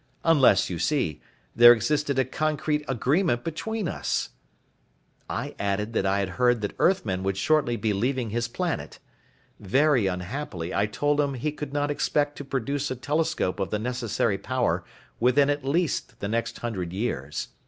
Unless, you see, there existed a concrete agreement between us. "I added that I had heard that Earthmen would shortly be leaving his planet. Very unhappily I told him he could not expect to produce a telescope of the necessary power within at least the next hundred years.